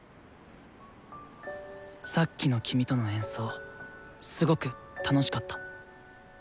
さっきの君との演奏すごく楽しかった。